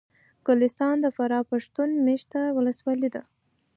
ګلستان د فراه پښتون مېشته ولسوالي ده